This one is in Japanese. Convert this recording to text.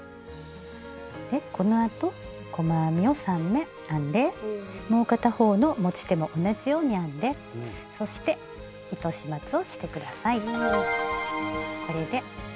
このあと細編みを３目編んでもう片方の持ち手も同じように編んでそして糸始末をして下さい。